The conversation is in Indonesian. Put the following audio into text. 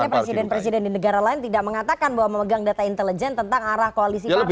tapi presiden presiden di negara lain tidak mengatakan bahwa memegang data intelijen tentang arah koalisi partai